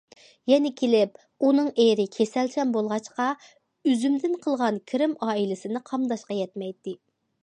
يەنە كېلىپ ئۇنىڭ ئېرى كېسەلچان بولغاچقا، ئۈزۈمدىن قىلغان كىرىم ئائىلىسىنى قامداشقا يەتمەيتتى.